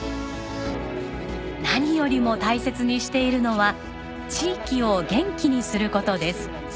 何よりも大切にしているのは地域を元気にする事です。